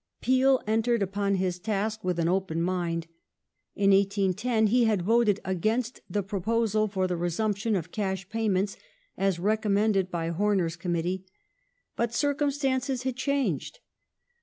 Peel entered upon his task with an open mind. In 1810 heResump had voted against the proposal for the resumption of cash pay ^^^ghp^^ ments, as recommended by Horner's Committee ; but circumstances ments had changed.